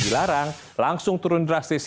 dilarang langsung turun drastis